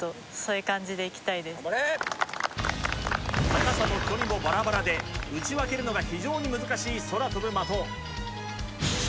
高さも距離もバラバラで打ち分けるのが難しいです。